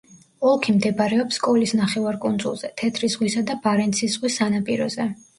ოლქი მდებარეობს კოლის ნახევარკუნძულზე, თეთრი ზღვისა და ბარენცის ზღვის სანაპიროზე.